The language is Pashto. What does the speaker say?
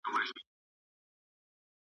که تعلیم دوام وکړي، عدالت ټینګیږي.